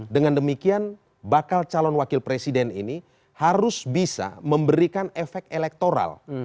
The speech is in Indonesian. dengan demikian bakal calon wakil presiden ini harus bisa memberikan efek elektoral